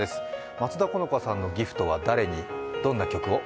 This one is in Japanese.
松田好花さんのギフトは誰にどんな曲を？